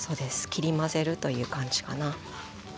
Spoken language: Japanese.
切り混ぜるという感じかな。